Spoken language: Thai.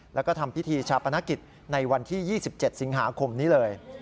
แล้วก็ทำพิธีชาปนกิจในวันที่๒๗สิงหาคมนี้เลย